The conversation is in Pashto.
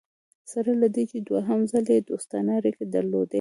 سره له دې چې دوهم ځل یې دوستانه اړیکي درلودې.